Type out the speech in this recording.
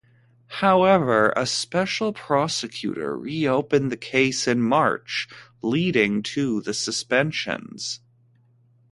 However, a special prosecutor reopened the case in March, leading to the suspensions.